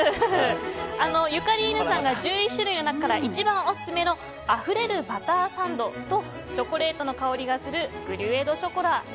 ゆかりーぬさんが１１種類の中から一番オススメのあふれるバターサンドとチョコレートの香りがするグリュエ・ド・ショコラ。